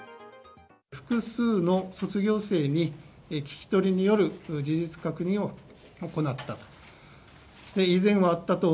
複数の卒業生に、聞き取りによる事実確認を行ったと。